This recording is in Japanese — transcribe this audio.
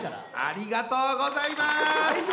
ありがとうございます。